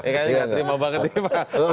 ya kan ya terima banget ya pak